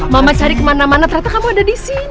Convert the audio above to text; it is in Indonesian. mama cari kemana mana ternyata kamu ada di sini